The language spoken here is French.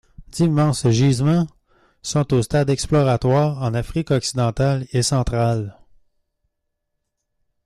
D'immenses gisements sont au stade exploratoire en Afrique occidentale et centrale.